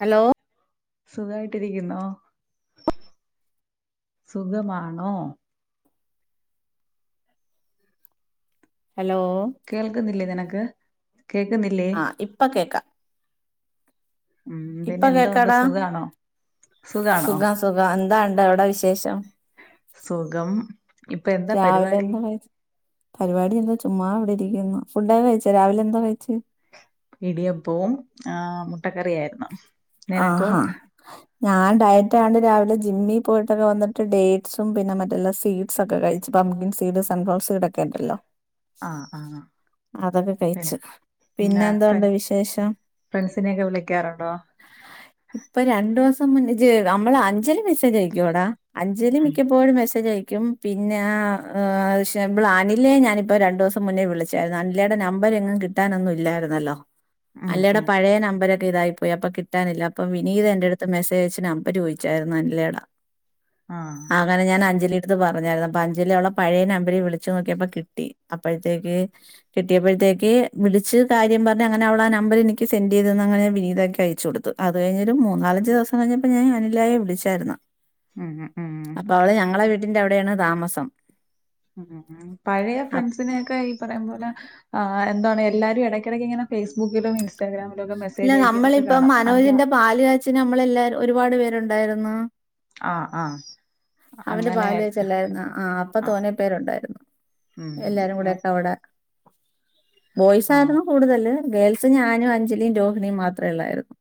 Hello സുഖായിട്ടിരിക്കുന്നോ സുഖമാണോ hello കേൾക്കുന്നില്ലേ നിനക്ക് കേക്കുന്നില്ലേ ആ ഇപ്പ കേക്ക പിന്നെ എന്ത്ണ്ട് സുഖാണോ സുഖാണോ സുഖം സുഖം എന്താ അണ്ട് അവിട വിശേഷം സുഖം ഇപ്പൊ എന്താ രാവിലെ പരിപാടി എന്താ കഴി പരിപാടി എന്താ ചുമ്മാ ഇവിടെ ഇരിക്കുന്നു ഫുഡൊക്കെ കഴിച്ച രാവിലെ എന്താ കഴിച്ച് ഇടിയപ്പവും ആ മുട്ടക്കറിയായിരുന്നു നിനക്കോ ആഹാ ഞാൻ ഡയറ്റ് ആണ്ട് രാവിലെ ജിമ്മിൽ പോയിട്ടൊക്കെ വന്നിട്ട് ഡേറ്റ്സും പിന്നെ മറ്റെല്ല സ്വീഡ് സ് ഒക്കെ കഴിച്ച് പംഗിൻ സീഡ് സൺ സീഡ് [unintelligible] ഒക്കെതീല്ലോ ആഹ് ആഹ അതോ ക്കെ കഴിച്ചു ഫ്ര പിന്നെതൊണ്ട് വിശേഷം ഫ്രണ്ട്സിനെയൊക്കെ വിളിക്കാറുണ്ടോ ഇപ്പൊ രണ്ടു ദിവസം മുന്നഅഞ്ച് നമ്മളെ അഞ്ച മെസജ് അയക്കോടാ അഞ്ചലി ഉം മിക്കപ്പോഴും മെസേജ് അയക്കും ക്കും പിന്നെ ശെ ഇവളെ അനിലയെ ഞാനിപ്പോ രണ്ടു ദിവസം മുന്നേ വിളിച്ചായിരുന്നു അനിലയുടെനമ്പർ കിട്ടാനെന്നും ഇല്ലാരുന്നുല്ലോ ഉം അനിലെടെ ഉം പഴയ നമ്പരൊക്കെ എന്തായി പോയി അപ്പൊ കിട്ടാനില്ല അപ്പൊ വിനീത് എൻന്റെടുത്ത് മെസേജ് അയച്ച് നമ്പര് ചോദിച്ചായിരുന്നു അനിലെടെ ആ അങ്ങനെ ഞാൻ അഞ്ജലി ഇത് പറഞ്ഞായിരുന്നു അപ്പ അഞ്ചിലി അവളെ പഴയ നമ്പിറില് വിളിച്ചു നോക്കിയപ്പോ കിട്ടി അപ്പോഴത്തേക്ക് കിട്ടിയപ്പോഴത് ലേക്ക് വിളിച്ച് കാര്യം പർഞ് അങ്ങനവളാ ആ നമ്പറെനിക്ക് സെന്റെയ്തന്ന് അങ്ങനെവിനീതാ കയ്ചൊട്ത്ത് അത് കയ്ഞ്ഞിട്ട് മൂന്നാലഞ്ച് ദിവസം കയ്ഞ്ഞപ്പ ഞാൻ അനിലേയെ വിളിച്ചായ്രുന്നു ഉം ഉം ഉം അപ്പഅവള് ഞങ്ങളെ വീട്ടിന്റെ അവിടെണ് താമസം പഴേ അപ് ഫ്രണ്ട്സിനെയൊക്കെ ഈ പറയും പോലെ ആ എന്താണ് എല്ലാരും എടയ്ക്കെടക്ക് ഇങ്ങനെ ഫേസ്ബുക്കിലും ഇൻസ്റ്റാഗ്രാമ് ഇല്ല നമ്മളിപ്പം മനോജിന്റെ പാല് കാച്ചിന് നമ്മളെല്ലാരും ഒരുപാട് പേരുണ്ടായിരുന്നു ആഹ ആഹ അവന്റെ പാല് കാച്ചല്ലായിരുന്ന ആഹ് അപ്പ ആ തോനെ പേരുണ്ടായിരുന്നു ഉം എല്ലാരും കൂടെ ഒക്കെ അവടെ ആ ബോയ്സായ്രുന്നു കൂടുതല് ഗേൾസ് ഞാനും അഞ്ജലിം രോഹിണീം മാത്ര ഉള്ളായ്ര്ന്നു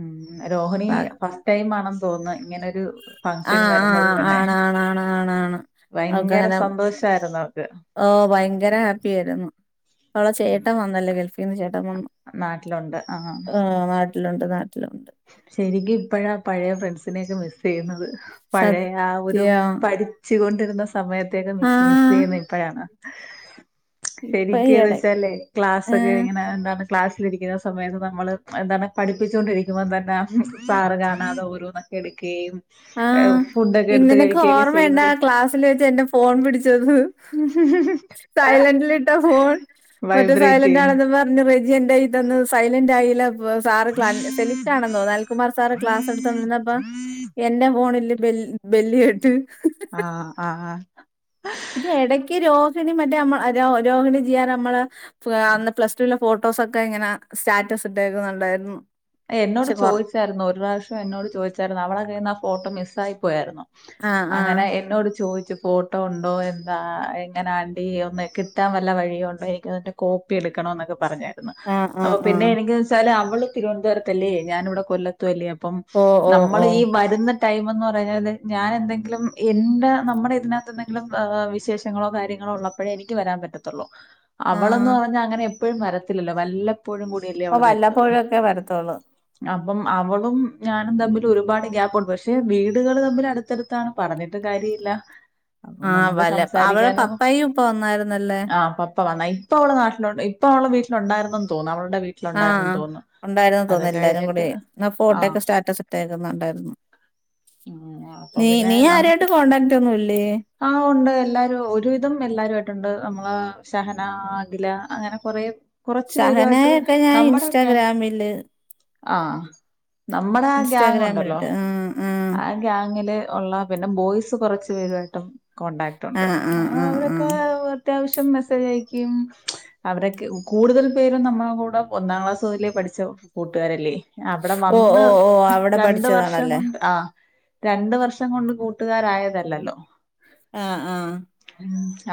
ഉം രോഹിണി ഫസ്റ്റ് ടൈം ആണെന്ന് തോന്ന്ന്ന് ഇങ്ങനെ രു ഫങ്ഷന് ആഹ് വരുന്നത് ആഹ് തന്നെ ആണാണ് ആണാണാണ് വയങ്കര സന്തോഷായിരുന്നു അവ്ക്ക് ഓ വയങ്കര ഹാപ്പിയായിരുന്നു പ്പ അവളെ ചേട്ടൻ വന്നല്ലേ ഗൾഫിന്ന് ചേട്ടൻ എറണാക്ലം നാട്ടിലുണ്ട് ആ ന്നാട്ട്ലുണ്ട് ന്നാട്ട് ശെരിക്കും ഇപ്പഴാ പഴേ ഫ്രണ്ട്സിനൊക്കെ മിസ്സെയ്യുന്നത് പഴേ ആ ഒരു സത്യം പഠിച്ചു കൊണ്ടിരുന്ന സമയത്തേക്കെ മിക്സ് ആഹ് മിസ്സെയ്യുന്നതിപ്പഴാണ് ഇപ്പ ശെരിക്ക്‌ന്ന് ഈയിടെ വെച്ചാലെ ക്ലാസ്സൊക്കെ ഏഹ് ഇങ്ങനെ എന്താണ് ക്ലാസ്സിലിരിക്കുന്ന സമയത്ത് നമ്മള് എന്താണ് പഠിപ്പിച്ചോണ്ടിരി ക്കുമ്പ തന്നെ സാറ് കാണാതെ ഓരോന്നൊക്കെ എടുക്കേയും ആഹ ഇന്നെന്ക്ക്‌ ഓർമ്മയ്ണ്ടാ ചെയ്യുന്നത് ക്ലാസ്സില് വെച്ച് എന്റെ ഫോൺ പിടിച്ചത് സൈലന്റ്ല്ട്ട ഫോൺ മറ്റേ വൈബ്രേറ്റ് ചെയ്യുന്നു സൈലന്റാണെന്നും പർഞ് വെജ്ജ്ഇറ്റാക്കി തന്നു സൈലന്റായില വ് സാറ് ക്ലാന് സെലിറ്റാണെന്നോ നാൽകുമാർ സാറ് ക്ലാസെട്ത്തോണ്ടിരി ന്നപ്പൊ എന്റെ ഫോണില് ബെൽ ബെല്ല്കേട്ട് ആഹ ആഹ പിന്നെ എടക്ക് രോ ഹണി മറ്റേ മ്മ രോ രോഹിണിജിയാ നമ്മളെ ഫ്ആ അന്ന് പ്ലസ്റ്റ്റ്റൂലെ ഫോട്ടോസൊക്കെ ഇങ്ങനെ സ്റ്റാറ്റസ് സ്ട്ടേക്ക് കണ്ടായ്ര്ന്നു എന്നോട് ചോയ്ച്ചായിരുന്നു ഒരുറാവ്ഷ്യം എന്നോട് ചോയ്ച്ചായ്രുന്നു അവളെ കയ്യിന്നാഫോട്ടോ മിസ്സായിപ്പോയാര്ന്നു. ആഹ് ആഹ് അങ്ങനെ എനോട് ചോയ് ച്ച് ഫോട്ടോ ഉണ്ടോ എന്താ എങ്ങനാണ്ടി ഒന്ന് കിട്ടാൻ വല്ല വഴിയുണ്ടോ എനിക്കതിന്റെ കോപ്പിയെ എടുക്കണോ ന്നൊക്കെ പറഞ്. ആഹ് അപ്പൊ ആഹ് പിന്നെ ആഹ് എനിക്ക്‌ന്നെച്ചാല് അവള് തിരുവനന്തപുരത്തല്ലേ ഞാനിവിടെ കൊല്ലത്തു അല്ലേ അപ് അപ്പം ഓ ഓ ന്നമ്മൾ ഓ ഈ വര്ന്ന ടൈംന്ന് പറഞ്ഞാല് ഞാൻ എന്തെങ്കിലും എന്റെ ന്നമ്മടെ ഇതിനകത്തെന്തെങ്കിലും ഏ വിശേഷങ്ങളോ കാര്യങ്ങളോ ങ്ങളോ ഉള്ളപ്പഴേ എനിക്ക് വരാൻ പറ്റത്തൊള്ളൂ അവളന്ന് ആഹ് പറഞ്ഞ അങ്ങനെപ്പഴും വരത്തില്ലല്ലോ വല്ലപ്പോഴും കൂടിയല്ലേ അവള് വരുന്നത് കള അപ്പം അവളും ഞാനും തമ്മിൽ ഒരുപാട് ഗ്യാപ്പുണ്ട് പക്ഷെ വീടുകൾ തമ്മിൽ അടുത്തടുത്താണ് പറഞ്ഞിട്ട് കാരില്ല അപ്പ ആഹ് ന്നമ്ക്ക് വല്ല അവളെ സംസാരിക്കാനൊന്നും പപ്പായും ഇപ്പൊ വന്നായിരുന്നല്ലേ ആ പ്പം ഇപ്പ വന്നായ് ഇപ്പ അവള്ന്നാട്ടിലോട്ട് ഇപ്പ അവള് വീട്ട്ലുണ്ടായിരുന്നന്ന് തോന്നുന്നു അവളടെ വീട്ടിലുണ്ടായിരുന്നെന്ന് തോന്നുന്നു ണ്ടായ്ര്ന്ന് അത് തോന്ന്ന്നെല്ലാരും കൂടി കഴിഞ്ഞിട്ട് ന്ന ആ ഫോട്ടൊക്കെ സ്റ്റാറ്റസ് ഇട്ടേക്കുന്നെ കണ്ടായ്ര്ന്നു ഉം അപ്പൊ നീ പിന്നെ നീ നമുക്ക് ആരായിട്ട് കോണ്ടാക്റ്റൊന്നുംല്ലേ ആ ഉണ്ട് എല്ലാരും ഒരുവിധം എല്ലാരും ആയിട്ടുണ്ട് നമ്മളെ ഷഹനാ അഗിലാ അങ്ങനെ കൊറേ കുറച്ച്പേരുവായ്ട്ട് ഷഹനയൊക്കെ ഞാൻ ന്നമ്മടെഗ്യാങ്ങ് ഇൻസ്റ്റാഗ്രാമില് ആഹ ന്നമ്മടെ ആ ഗ്യാങ്ങുണ്ടല്ലോ ഇൻസ്റ്റാഗ്രാമിലിട്ട് ആഹ് ആഹ് ആ ഗ്യാങ്ങില് ഉള്ള പിനെ ബോയ്സ് കൊറച്ച് പേരുവായ്ട്ടും കോണ്ടാക്റ്റുണ്ട് ആഹ് ആ ആഹ് ആഹ് അവരൊക്കെ ആഹ് അത്യാവശ്യം ഷ്യം മെസ്സേജയ്ക്കിം അവരെക്കെ കൂടുതൽ പേരും ന്നമ്മളെ കൂടെ ഒന്നാം ക്ലാസ്സുതലേ പഠിച്ച കൂട്ടുകാരല്ലേ ആ ഇവട ഓ വന്ന് ഓ ഓ അവിടെ രണ്ട് വർഷം പഠിച്ചതാണല്ലേ കൊണ്ട് രണ്ടു വർഷം കൊണ്ട് കൂട്ട കൂട്ടുക്കാരായതല്ലലോ ആഹ് ആഹ്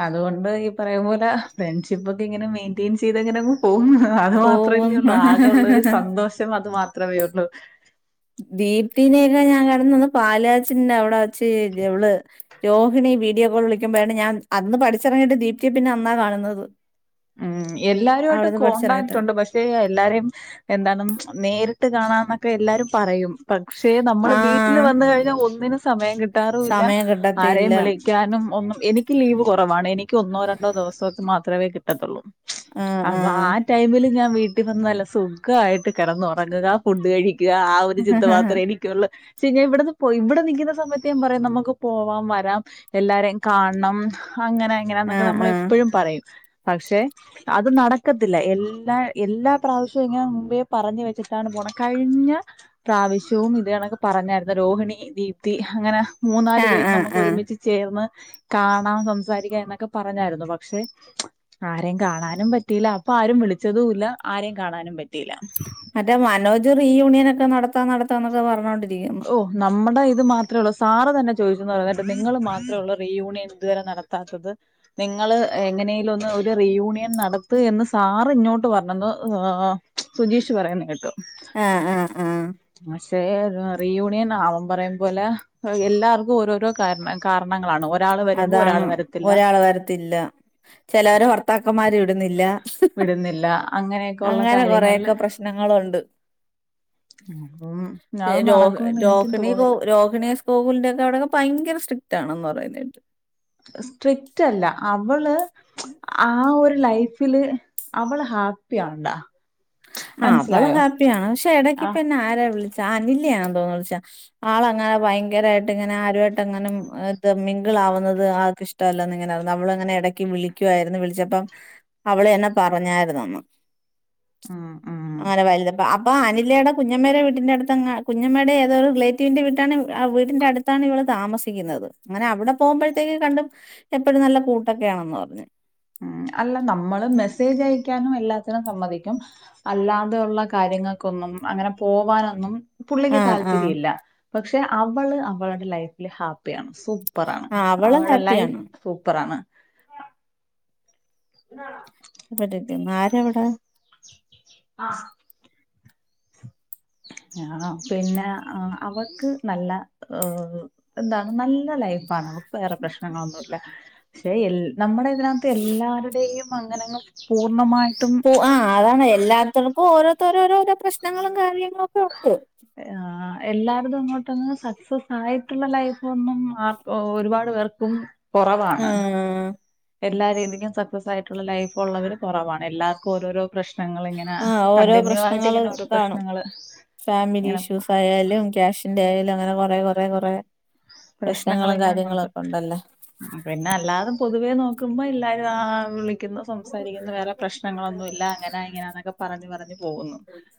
അതുകൊണ്ട് ഈ പറയും പോലെ ഫ്രണ്ട്ഷിപ്പ് ഒക്കെ ഇങ്ങനെ മെയിൻറ്റെയിൻ ചെയ്ത്ങ്ങനെങ്ങ് പോകുന്നു അത് മാത്രമല്ലേ ഉള്ളൂ ആകെ ഉള്ളരു പോകുന്നു സന്തോഷം അത് മാത്രമേ ഉള്ളു ദീപ്തിനെയൊക്കെ ഞാൻ കിടന്ന വന്ന് പാലാച്ചി അവിടെ വച്ച്ള് രോഹിണി വീഡിയോ കോൾ വിളിക്കുമ്പഴാണ് ഞാൻ അന്ന് പഠിച്ചിറങ്ങിട്ട് ദീപ്തി പിന്നെ അന്നാ കാണുന്നത് ഉം എല്ലാരുമായിട്ടും അവിടുന്ന് കോണ്ടാക്ട് പഠിച്ചിറങ്ങിയിട്ട് ഉണ്ട് പക്ഷേ എല്ലാരേ എന്താണ് നേരിട്ട് കാണാൻ എന്നൊക്കെ എല്ലാരും പറയും പക്ഷേ നമ്മള് ആ വീട്ടിൽ വന്ന കഴിഞ്ഞാൽ ഒന്നിനന് സമയം കിട്ടാറില്ല സമയം ആരെയും കിട്ടത്തില്ല വിളിക്കാനും ഒന്നും എനിക്ക് ലീവ് കുറവാണ് എനിക്ക് ഒന്നോ രണ്ടോ ദിവസം മാത്രം േ കിത്തുള്ളൂ അ ആ ടൈമിൽ ഞ വീട്ടി വന്ന നല്ല സുഖയിട്ട് കിറന്നുറങ്ങുക ഫുഡ് കഴിക്കുക ആ ഒരു ചിന്ത മാത്രേ എനിക്കുള്ള ചാ ഇവിടെന്ന് പോ ഇവിടെ നിക്കുന്ന സമയത്ത് ഞാൻ പറയാം നമുക്ക് പോവാം വരാം എല്ലാരെയും കാണണം അങ്ങനെ എങ്ങനാ ആ ആ എന്നൊക്കെ നമ്മള എപ്പോഴും പറയും പക്ഷെ അത് നടക്കത്തില്ല എല്ലാ എല്ലാ പ്രാവശ്യവും ഇങ്ങനെ മുമ്പേ പറഞ്ഞു വെച്ചിട്ടാണ് പോ അ കഴിഞ്ഞ പ്രാവശ്യവും ഇത് കണൊക്കെ പറഞ്ഞായിരുന്നു രോഹിണി ദീപ്തി അങ്ങനെ ആ മൂന്നാല് പേര് ആ നമുക്ക് ആ ഒരുമിച്ച് ചേർന്ന് കാണാം സംസാരിക്കാം എന്നൊക്കെ പറഞ്ഞായിരുന്നു പക്ഷെ ആരെയും കാണാനും പറ്റിയില്ല അപ്പൊ ആരും വിളിച്ചതുംല്ല ആരെയും കാണാനും പറ്റിയില്ല ഇത് റീ യൂണിയൻ ഒക്കെ നടത്താ നടത്താന്നൊക്കെ പറഞ്ഞോണ്ട് ഓ ന നമ്മുടെ ഇത് മാത്രേ ഉള്ളൂ സാറ് തന്നെ ചോദിച്ചന്ന് പറഞ്ഞിട്ട് നിങ്ങൾ മാത്രമേ ഉള്ള റീ യൂണിയൻ ഇതുവരെ നടത്താത്തത് നിങ്ങള് എങ്ങനെലും ഒന്ന് ഒരു റിയൂണിയൻ നടത്ത എന്ന് സാർ ഇങ്ങോട്ട് പറഞ്ഞുന്നു സുജീഷ് പറയന്ന് കേട്ടോ ആഹ ആഹ ആഹ പക്ഷേ റീ യൂണിയൻ അവൻ പറയം പോലെ എല്ലാവർക്കും ഓരോരോ കാര കാരണങ്ങളാണ് ഒരാൾ വരുമ്പോ ഒരാൾ അതാണ് വരത്തില്ല ഒരാൾവാരത്തില്ല ചിലവർ ഭർത്താക്കന്മാരി വിടുന്നില്ല വിടുന്നില്ല അങ്ങനെയൊക്കെ ഉള്ള അങ്ങനെ കാര്യങ്ങളില് കുറെയൊക്കെ പ്രശ്നങ്ങളുണ്ട് ഉം പി അത് രോഹി നടക്കുംന്ന് എനിക്കും രോഹിണി തോന്നില്ല രോഹിണി സ്കോകിന്റെ ഒക്കെ അവിടെൊക്കെ ഭയങ്കര സ്ട്ര താണെന്ന് പറയുന്നിട്ട് സ്ട്രിക്റ്റ് അല്ല അവള് ആ ഒരു ലൈഫില് അവള് ഹാപ്പി ആണ്ടാ ആ അവള ഹാപ്പിയാണ് പക്ഷെ എടക്ക് ആ ഇപ്പ എന്ന ആരാ വിളിച്ചാ അനിലയാണ തോന്ന ആളങ്ങനെ ഭയങ്കരമായിട്ട് ഇങ്ങനെ ആരുമായിട്ട് അങ്ങനെത് മിംഗിൾ ആവുന്നത് ആൾക്ക് ഇഷ്ട ല്ല ഇങ്ങനൊയിരുന്നു അവളിങ്ങനെ ഇടക്ക് വിളിക്കുവായിരുന്നു വിളിച്ചപ്പം അവള് എന്നെ പറഞ്ഞായിന്നന്ന് ആഹ അങ്ങനെ വലുപ്പ അപ്പൊ അനിലയുടെ കുഞ്ഞമ്മേയുടെ വീട്ടിന്റെ അടുത്ത് കുഞ്ഞമ്മേയുടെ ഏതോരു റിലേറ്റീവിന്റെ വീട്ടാണ് ആ വീടിന്റെ അടുത്താണ് ഇവള് താമസിക്കുന്നത് അങ്ങനെ അവിടെ പോകുമ്പോഴത്തേക്ക് കണ്ടും എപ്പോഴും നല്ല കൂട്ടൊക്കെയ ണന്ന് പറഞ്ഞഞ് ആം അല്ല നമ്മള് മെസ്സേജ് അയക്കാനും എല്ലാത്തിനും സമ്മതിക്കും അല്ലാതെയള്ള കാര്യങ്ങൾക്കൊന്നും അങ്ങനെ പോവാനൊന്നും പുള്ളിക്ക് ആ ആ താല്പര്യമില്ല പക്ഷെ അവള് അവളുടെ ലൈഫില് ഹാപ്പിയാണ് സ സൂപ്പറാണ് ആ അവള് അവളടെ ലൈഫ് ഹാപ്പിയാണ് സൂപ്പറാണ് ആ ആര എവിടാ ആഹ ഉ ആ പിന്നെ അവൾക്ക് നല്ല എന്താണ് നല്ല ലൈഫണ വേറെ പ്രശ്നങ്ങളൊന്നുല്ല ഷെ എൽ നമ്മളെ ഇതിനാത്ത് എല്ലാരടെയും അങ്ങനങ്ങ് പൂർണ്ണമായിട്ടും പൊ ആ അതാണെ എല്ലാത്തർക്കും ഓരോ ത്തോരോരോരോ പ്രശ്നങ്ങളും കാര്യങ്ങളുക്കെയുണ്ട്. എല്ലാരുതും ഇങ്ങോട്ടന്ന് സക്സസ് ആയിട്ടുള്ള ലൈഫൊന്നും ആർ ഒരുപാട് പേർക്കും ആ കൊറവാണ്. എല്ലാ രീതിക്കും സക്സസ് ആയിട്ടൊള്ള ലൈഫ് ഒള്ളവര് കൊറവാണ് എല്ലാർക്കും ഓരോരോ പ്രശ്നങ്ങളിങ്ങന ആ ഓരോ കണ്ടിന്യൂ ആയിട്ട് പ്രശ്നങ്ങള് ഇങ്ങനെ ഓരോ കാണും പ്രശ്നങ്ങള് ഫാമിലി ഇങ്ങനെ ഇഷ്യൂസ് ആയാലും ക്യാഷിന്റെ ആയാലും അങ്ങനെ കൊറേ കൊറേ കൊറേ. പ്രശ്നങ്ങള് പ്രശ്നങ്ങളും ഇങ്ങനെ ഉണ്ട്. കാര്യങ്ങളൊക്കെണ്ടല്ലോ. പിന്നെ അല്ലാതെ പൊതുവേ നോക്കുമ്പ എല്ലാരു ആ ആ വിളി ക്കുന്നു സംസാരിക്കുന്നു വേറെ പ്രശ്നങ്ങളൊന്നുല്ല അങ്ങനാ ഇങ്ങനാന്നൊക്കെ പറഞ്ഞ് പറഞ്ഞ്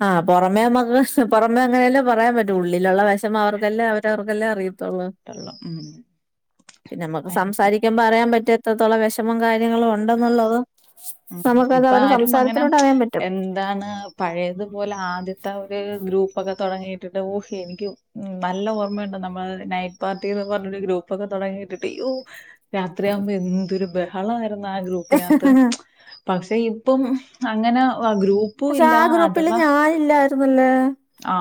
ആ പൊറമേ മ്മക്ക് പൊറമേ അങ്ങനല്ലേ പറയാൻ പറ്റു ഉള്ളിലൊള്ള വെഷമം അവർക്കല്ലേ അവരവർ അല്ലേ അറിയത്തൊള്ളൂ പിന്നമക്ക് ഉം സംസാരിക്കുമ്പ അറിയാൻ പറ്റാ ഇത്രത്തോളം വെഷമം കാര്യങ്ങളും ഒണ്ടെന്നുള്ളതും ഉം ഇപ്പ ആരും അങ്ങന അറിയാൻ എന്താണ് പ പഴേതുപോലാദ്യത്തെ ഒര് ഗ്രൂ പ്പൊക്കെ തൊടങ്ങിട്ടിട്ട് ഹോ എനിക്ക് നല്ലഓർമ്മയൊണ്ട് നമ്മള് നൈറ്റ് പാർട്ടിന്ന് പറഞ്ഞൊരു ഗ്രൂപ്പൊക്കെ തൊ തൊടങ്ങിട്ടിട്ട് യ്യോ രാത്രിയാമ്പേ എന്തൊരു ബഹളായിരുന്നു ആ ഗ്രൂപ്പിനാത്ത്. പറ്റും പക്ഷെ ഇപ്പം അങ്ങന പഷെ ആ ഗ്രൂപ്പില് ഞാനില്ലായിരുന്നല്ലാ. ആ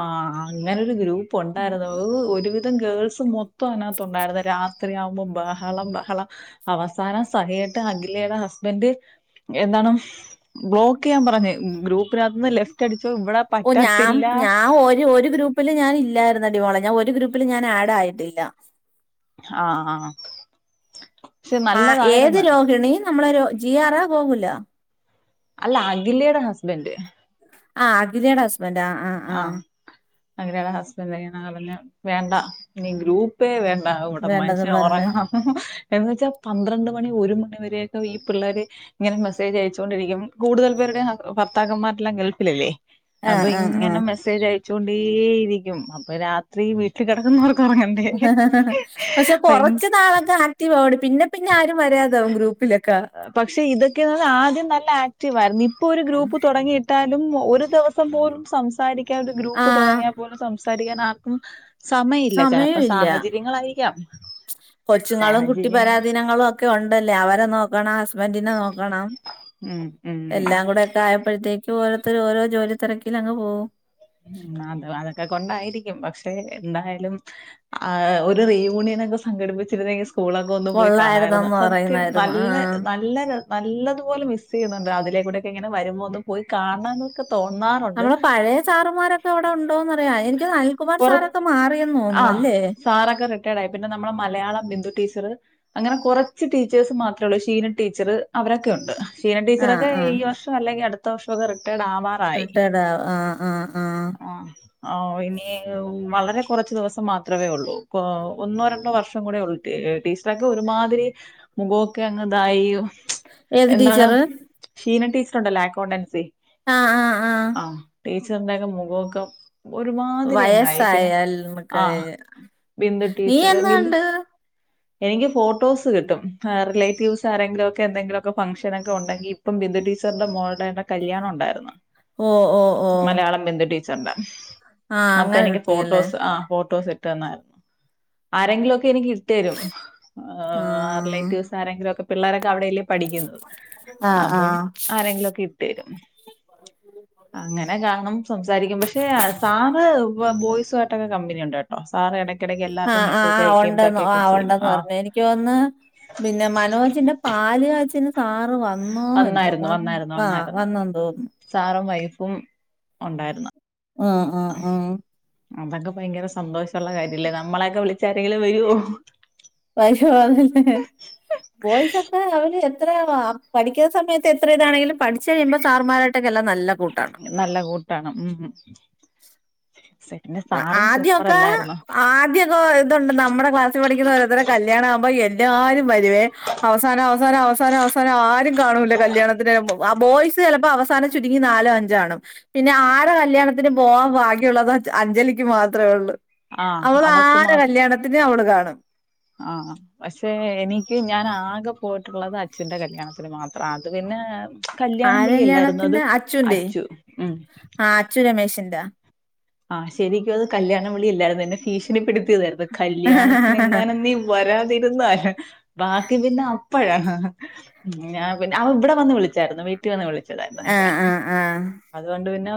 അങ്ങനൊരു ഗ്രൂപ്പൊണ്ടാരുന്നു ഓ ഒരുവിധ ത്തം ഗേൾസും മൊത്തം അയിനാത്തൊണ്ടായിരുന്ന്‌ രാത്രി ആവുമ്പോ ബഹളം ബഹളം അവസാന സഹികെട്ട് ട്ട് അഖിലേടെ ഹസ്ബൻഡ് എന്താണ് ബ്ലോക്കെയ്യാൻ പറഞ്ഞ് ഗ്രൂപ്പിനാത്തന്ന്‌ ലെഫ്റ്റടിച് തും ഇവടെ ഓ ഞാൻ പറ്റത്തില്ല ഞാൻ ഒരു ഒരു ഗ്രൂപ്പില് ഞാൻ ഇല്ലായിരുന്നെടി മോളെ ഞാൻ ഒരു ഗ്രൂപ്പിലും ഞാൻ ആഡ് ആയിട്ടില്ല. ആ ആഹാ ആ ഏത് രോഹിണി നമ്മളെരു ജി ആറാ ഗോകൂല അല്ല അഖിലേടെ ഹസ്ബെൻഡ്. ആ അഖിലേടെ ഹസ് ആ അഖിലേടെ ഹസ്ബൻഡിങ്ങനെ പറഞ്ഞു വേണ്ട ഇനി ഗ്രൂപ്പേ വേ ണ്ട ഇവടെ വേണ്ടത് മനുഷ്യന് പറഞ്ഞ് ഒറങ്ങണന്ന് എന്നു വെച്ചാ പന്ത്രണ്ട് മണി ഒരു മണി വരെ ഈ പിള്ളേര് ഇങ്ങനെ മെസ്സേജ് അയച്ചോണ്ടിരിക്കും കൂടുതൽ പേരുടെ ഹസ് ഭർത്താക്കന്മാരെല്ലാം ഗൾഫിലല്ലേ. ആ അപ്പൊ ആ ആ ഇങ്ങനെ മെസ്സേജ് അയച്ചൊണ്ടേയിരിക്കും അപ്പ രാത്രി വീട്ടികെടക്കുന്നോർ ക്കൊറങ്ങണ്ടേ പക്ഷെ ഭയ് കുറച്ച് നാളൊക്കെ ആക്റ്റീവ് ആവും പിന്നെ പിന്നെ ആരും വരാതാവും ഗ്രൂപ്പിലൊക്കെ പക്ഷെ ഇതക്കെന്നറിഞ്ഞ ആദ്യം നല്ല ആ റ്റിവാര്ന്ന്‌ ഇപ്പൊരു ഗ്രൂപ്പ് തൊടങ്ങിയിട്ടാലും ഒരു ദിവസം പോലും സംസാരി ക്കാതെ ആ ഗ്രൂപ്പ് തൊടങ്ങിയ പോലും സംസാരിക്കാനാർ സമയില്ല ചെലപ്പ സമയമില്ല സാഹചര്യങ്ങളായിരിക്കാം സാഹചര്യങ്ങളും നങ്ങളുക്കെ ഒണ്ടല്ലേ അവരെ നോക്കണ സ് ബന്റിനെ നോക്കണം ഉം ഉം എല്ലാം കൂടെക്കെ ആയപ്പഴ്ത്തേ ക്കുവോരോരുത്തര് ഓരോജോലിതിരക്കിനങ്ങ് പോകും മ് അത അതക്കെ കൊണ്ടായിരിക്കും പക്ഷ് ക്ഷെ എന്തായാലും ആ ഒരു റീയൂണിയനൊക്കെ സംഘടിപ്പിച്ചിരുന്നെങ്കി സ്കൂളൊക്കൊന്ന് പോയി കാണായിരുന്ന്‌ കൊള്ളായിരുന്നന്ന് സത്യം പറയുന്നായിരുന്നു നല്ല ആഹ് നല്ലരെ നല്ലെതുപോലെ മിസെയ്യുന്നുണ്ട് അതിലേക്കൂടെ ക്കങ്ങനെ വരുമ്പോ ഒന്ന് പോയി കാണം എന്നൊക്കെ തോന്നാറൊണ്ട് മാരൊക്കെ അവടൊണ്ടോന്നറിയ എനിക്ക് അനിൽകുമാർ കുറച്ച് സാറക്ക മാറിയന്ന് തോന്നല്ലേ നമ്മള മലയാള ബിന്ദു ടീ ച്ചറ് അങ്ങനെ കൊറച്ച് ടീച്ചേഴ്സ് മാത്രേള്ളൂ ഷീന ടീച്ചറ് അവരക്കെണ്ട്. ഷീന ആഹ് ടീച്ചറക്കെ ആഹ് ഈ വർഷം അല്ലെങ്കി അടുത്ത വർഷക്കെ റിട്ടയർഡ് ആവാറായി. റിട്ടേർഡ് ആഹ് ആഹ് ആഹ് ആഹ് ആ ആ ഇനി ഉ വളരെ കുറച്ച് ദിവസം മാത്രമേ ഉള്ളൂ ക് ഒന്നോ രണ്ടോ വർഷം കൂടെ ഉള്ള് ടീച്ചറൊക്കെ ഒരുമാതിരി മുഖമൊക്കെ അങ്തായി ഏത് എന്താണ് ടീച്ചറ് ക്ഷീന ടീച്ചറുണ്ടല്ലോ അക്കൗണ്ടൻസി ആഹ് ആഹ് ആഹ് ആ ടീച്ചറിന്റെയൊക്കെ മുഖമൊക്കെ ഒരുമാതിരി അങ്ങായി വയസ്സായ പിന്നെ ആ അൽമക്കള് ബിന്തു നീ ടീച്ചറ് എന്ന് ബി കണ്ട് എനിക്ക് ഫോട്ടോസ് കിട്ടും റിലേറ്റീവ്സ് ആരെങ്കിലൊക്കെ എന്തെങ്കിലൊക്കെ ഫംഗ്ഷൻ ഒക്കെ ഉണ്ടെങ്ക ഇപ്പ ബിന്ദു ടീ ച്ചർടെ മോള്ടെ കല്യാണം ഉണ്ടായിരുന്നു ഓ ഓ ഓ മലയാളം ബിന്ദു ടീച്ചർന്റെ ആഹ് അപ്പൊ അങ്ങനെ എനിക്ക് കിട്ടിയല്ലേ ഫോട്ടോസ് ആ ഫോട്ടോസ് ട്ടന്നാര്ന്നു ആരെങ്കിലൊ എനിക്കിട്ടരും ആഹ് റിലേറ്റീവ്സ് ആരെങ്കിലും ഒക്കെ പിള്ളോരൊ അവിടെല്ലേ പഠിക്കുന്നത് ആഹ് അപ്പം ആഹ് ആരെങ്കിലൊക്കെ ഇട്ടരും അങ്ങനെ കാണും സംസാരിക്കും പക്ഷെ സാറ് ബോയ്സു ആയിട്ടൊക്കെ കമ്പനിയുണ്ട് കേട്ടോ സാറ് എട ആ ആ ആ ഉണ്ട് ന്ന് ചെയ്യും ഉണ്ട്ന്ന് ആ പറഞ്ഞു എനിക്ക് തോന്ന്ന്ന് പിന്നെ മനോജിന്റെ പാല് കാച്ചിന് സാറ് വ ന്നോണ്ടോ വന്നായിരുന്നു വന്നായിരുന്നു ആ വന്നന്ന് തോന്നു പ്പും ഉണ്ടായിരുന്നു ആ ആഹ് ആ അതൊക്കെ ഭയങ്കര സന്തോഷമുള്ള കാര്യമല്ലേ നമ്മളൊക്കെ വിളിച്ച ആരെങ്കിലും വരോ? പൈസ വ ബോയ്സ് ഒക്കെ അവര് എത്ര പഠിക്കുന്ന സമയത്ത് എത്ര ഇതാണെങ്കിലും പഠിച്ചു കഴിയുമ്പോ സാർമാരായിട്ടൊക്കെല്ലാം നല്ല കൂട്ടാണ്. നല്ല കൂട്ടാണ് ഉം പിന്നെ സാറും സൂപ്പർ ആദ്യൊക്കെ അല്ലായിരുന്നോ ആദ്യൊക്കെ ഇതുണ്ട് നമ്മുടെ ക്ലാസ്സിൽ പഠിക്കുന്ന ഒരോരുത്തരെ കല്യാണ ആവുമ്പോ എല്ലാരും വരുമേ അവസാനം അവസാന അവസാനം അവസാനം ആരും കാണില്ല കല്യാണത്തിന് ബോയ് സ് ചിലപ്പോ അവസാനം ചുരുങ്ങി നാലോ അഞ്ചാണും പിന്നെ ആരെ കല്യാണത്തിന് പോവാൻ ഭാഗ്യ ള്ളത് അഞ്ജലിക്ക് മാത്രമേ ഉള്ളൂ ആഹ് അവള് ആരു കല്യാണത്തിന് അവള് കാണും ആ പക്ഷെ എനിക്ക് ഞാൻ ആകെ പോയിട്ടുള്ളത് അ അച്ച്ന്റെ കല്യാണത്തിന് മാത്രം അത് പിന്നെ കല്യാണം ആരെ വിളിയല്ലായിരുന്നു അത് കല്യാണത്തിന്റെ അച്ചുന്റെ അച്ചു ഉം ആ അച്ചു രമേശിന്റെ ആഹ് ശരിക്കും അത് കല്യാണം വിളി ഇല്ലായിരുന്നു എന്നന്നെ ഭീഷണി പെട് [unintelligible] കല്യാണത്തിന് എങ്ങനെ നീ വരാതിരുന്നല് ബാക്കി പിന്നെ അ പ്പഴാ ഞാ പിന്നെ അവ ഇവിടെ വന്ന് വിളിച്ചായിരുന്നു വീട്ടിൽ വന്ന് വിളിച്ചതായിരുന്നു ആ കല്യാണം ആ ആ അത് കൊണ്ട് പിന്നെ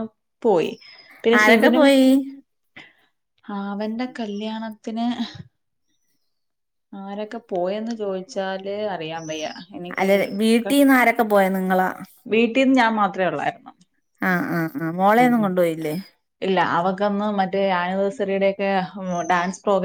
പോയി. പേശ് രൊക്കെ പോയി? ആ അവന്റെ കല്യാണത്തിന് ആരൊക്കെ പോയന്ന് ചോദിച്ചാല് അറിയൻ വയ്യ. എനിക്ക് അല്ല വീട്ടിൽ നിന്ന് ആരൊക്കെ പോയ നിങ്ങളാ വീട്ടിൽന്ന് ഞാൻ മാത്ര ഒള്ളായിരുന്നു ആഹ് ആ ആ മോളെൊന്നും കൊണ്ടുപോയില്ലേ ന്ന് മറ്റേ ആനിേഴസറിയുടെ ഒക്കെ ഡാൻസ് പ്രോഗ്ര